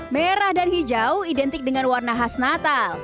merah dan hijau identik dengan warna khas natal